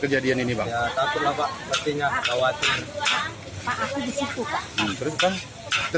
kenapa tidak takut